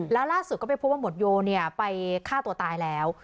แล้วล่าสุดก็ไปพบว่าหมวดโยไปฆ่าตัวตายแล้ว